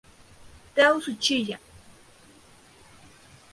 Tao Tsuchiya